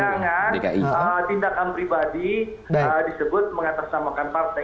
tidakkan tindakan pribadi disebut mengatasamakan partai